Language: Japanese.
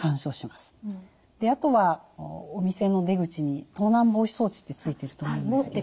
あとはお店の出口に盗難防止装置ってついてると思うんですけど。